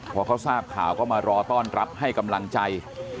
พอเขาทราบข่าวก็มารอต้อนรับให้กำลังใจ